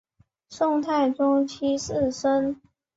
宋太宗七世孙。